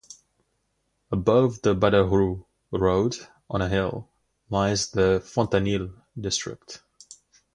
Above the Badaroux road, on a hill, lies the Fontanilles district.